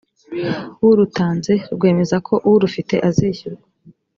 w urutanze rwemeza ko urufite azishyurwa